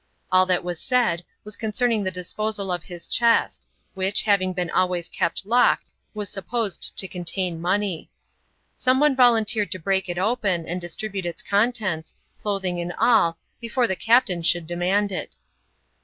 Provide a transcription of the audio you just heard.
All that was said, was ocmceming the disposal of his chest, which, having been always kept locked, was supposed to contain money. Some one volun teered to break it open, and distribute its contents, clothing and ail, before the captain should demand it.